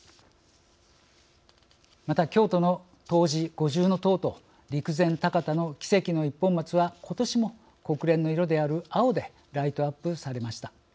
また京都の東寺、五重塔と陸前高田の奇跡の一本松はことしも国連の色である青でライトアップされました。